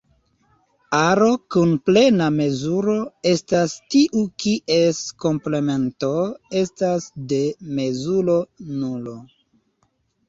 Aro kun plena mezuro estas tiu kies komplemento estas de mezuro nulo.